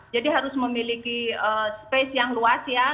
jadi harus memiliki space yang luas ya